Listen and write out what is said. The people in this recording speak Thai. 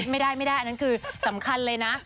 ไม่ได้อันนั้นคือสำคัญเลยนะ